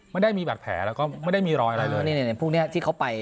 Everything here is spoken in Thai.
ไม่ได้มีบาดแผลแล้วก็ไม่ได้มีรอยอะไรเลยนี่พวกนี้ที่เขาไป